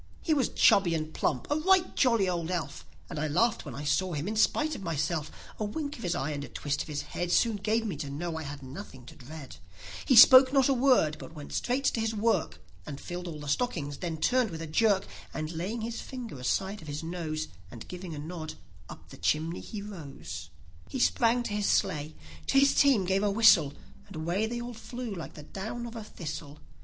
e was chubby and plump, a right jolly old elf, And I laughed when I saw him, in spite of myself; A wink of his eye and a twist of his head, Soon gave me to know I had nothing to dread; e spoke not a word, but went straight to his work, And filled all the stockings; then turned with a jerk, And laying his finger aside of his nose, And giving a nod, up the chimney he rose; e sprang to his sleigh, to his team gave a whistle, And away they all flew like the down of a thistle.